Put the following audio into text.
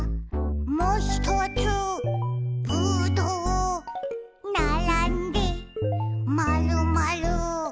「もひとつぶどう」「ならんでまるまる」